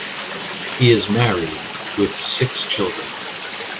He is married with six children.